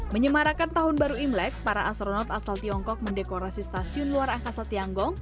menyemarakan tahun baru imlek para astronot asal tiongkok mendekorasi stasiun luar angkasa tianggong